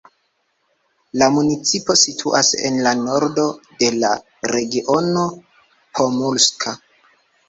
La municipo situas en la nordo de la regiono Pomurska.